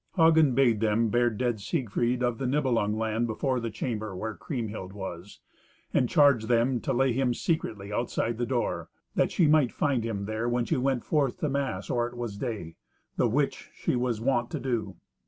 Hagen bade them bear dead Siegfried of the Nibelung land before the chamber where Kriemhild was, and charged them to lay him secretly outside the door, that she might find him there when she went forth to mass or it was day, the which she was wont to do.